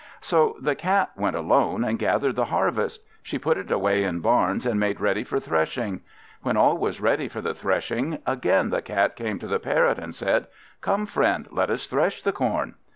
So the Cat went alone, and gathered the harvest. She put it away in barns, and made ready for threshing. When all was ready for the threshing, again the Cat came to the Parrot, and said "Come, friend, let us thresh the corn."